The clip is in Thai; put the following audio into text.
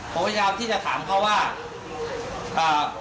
ผมพยายามที่จะถามเขาว่าอ่า